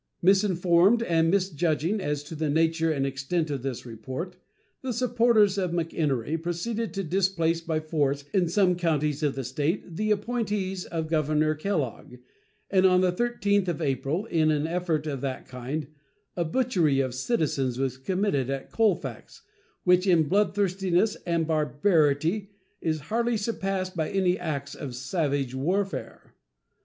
Misinformed and misjudging as to the nature and extent of this report, the supporters of McEnery proceeded to displace by force in some counties of the State the appointees of Governor Kellogg, and on the 13th of April, in an effort of that kind, a butchery of citizens was committed at Colfax, which in bloodthirstiness and barbarity is hardly surpassed by any acts of savage warfare.